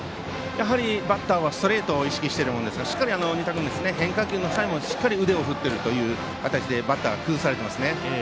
やはりバッターはストレートを意識していますからしっかり仁田君は変化球の際もしっかり腕を振っている形でバッターが崩されていますね。